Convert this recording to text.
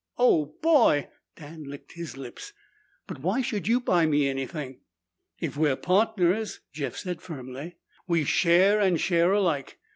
"Oh, boy!" Dan licked his lips. "But why should you buy me anything?" "If we're partners," Jeff said firmly, "we share and share alike.